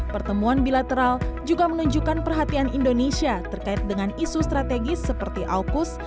pertemuan bilateral juga menunjukkan perhatian indonesia terkait dengan isu strategis seperti aukus